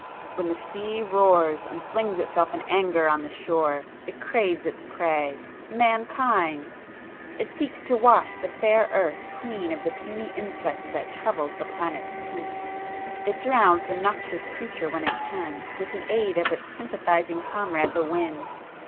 "When the sea roars and flings itself in anger on the shore, it craves its prey—Mankind!—it seeks to wash the fair earth clean of the puny insect that troubles the planet's peace! It drowns the noxious creature when it can, with the aid of its sympathizing comrade the wind!